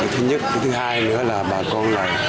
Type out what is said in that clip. thứ nhất thứ hai nữa là bà con là